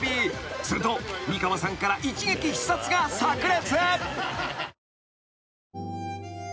［すると美川さんから一撃必殺が炸裂］